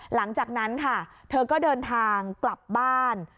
หลังจากนั้นค่ะเธอก็เดินทางกลับบ้าน